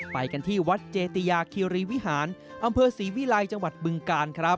ไปกันที่วัดเจติยาคีรีวิหารอำเภอศรีวิลัยจังหวัดบึงกาลครับ